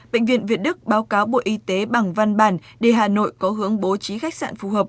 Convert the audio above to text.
bệnh viện việt đức báo cáo bộ y tế bằng văn bản để hà nội có hướng bố trí khách sạn phù hợp